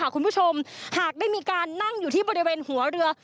คุณผู้ชมหากได้มีการนั่งอยู่ที่บริเวณหัวเรือ